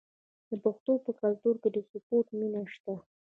د پښتنو په کلتور کې د سپورت مینه شته.